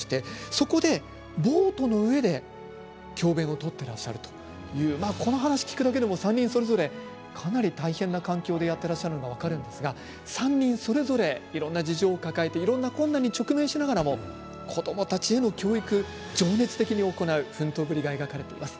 そこでボートの上で教べんを執っていらっしゃるというこの話を聞くだけでも３人は大変な環境でやっていることが分かるんですがそれぞれ事情を抱えていろんな困難に直面しながらも子どもたちへの教育、情熱的に行う奮闘ぶりが描かれています。